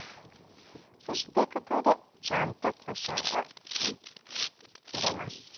そしてここでちゃんとこしょうを入れます。